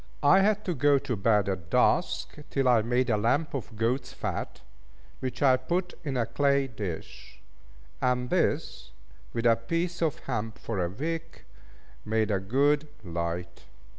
I had to go to bed at dusk, till I made a lamp of goat's fat, which I put in a clay dish; and this, with a piece of hemp for a wick, made a good light.